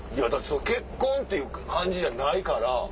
結婚っていう感じじゃないから。